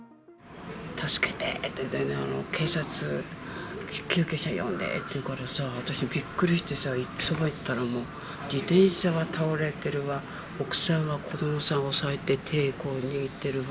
助けて！って、警察、救急車呼んで！って言うからさ、私、びっくりしてさ、そば行ったらもう、自転車が倒れてるわ、奥さんは子どもさんを押さえて、手をこう、握ってるわ。